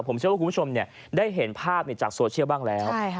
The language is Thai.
ผมเชื่อว่าคุณผู้ชมได้เห็นภาพจากโซเชียลบ้างแล้ว